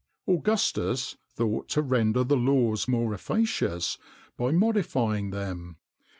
Augustus thought to render the laws more efficacious by modifying them.